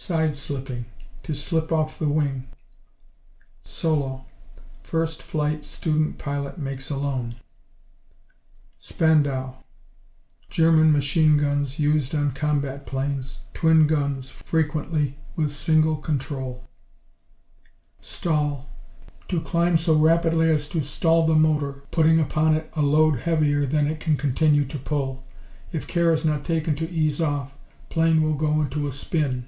Side slipping To slip off the wing. Solo First flight student pilot makes alone. Spandau German machine guns used on combat planes. Twin guns, frequently, with single control. Stall To climb so rapidly as to stall the motor, putting upon it a load heavier than it can continue to pull. If care is not taken to ease off, plane will go into a spin.